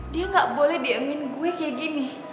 dia gak boleh diamin gue kayak gini